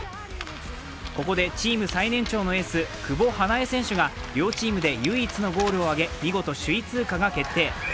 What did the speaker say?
ここでチーム最年長のエース久保英恵選手が両チームで唯一のゴールをあげ、見事首位通過が決定。